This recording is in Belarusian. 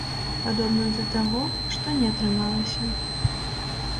Падобна да таго, што не атрымалася.